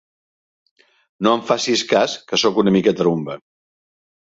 No em facis cas, que soc una mica tarumba.